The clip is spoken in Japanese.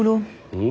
うん？